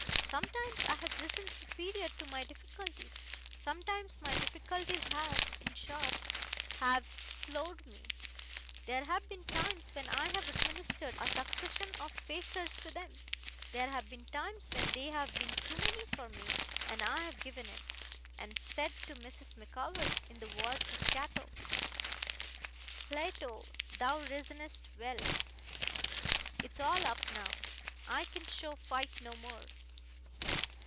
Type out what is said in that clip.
'Sometimes I have risen superior to my difficulties. Sometimes my difficulties have in short, have floored me. There have been times when I have administered a succession of facers to them; there have been times when they have been too many for me, and I have given in, and said to Mrs. Micawber, in the words of Cato, "Plato, thou reasonest well. It's all up now. I can show fight no more."